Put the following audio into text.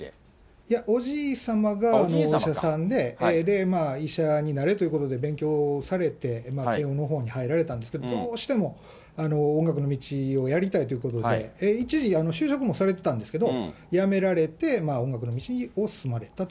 いや、おじいさまがお医者さんで、医者になれということで、勉強されて、慶應のほうに入られたんですけど、どうしても音楽の道をやりたいということで、一時、就職もされてたんですけど、辞められて、音楽の道を進まれたと。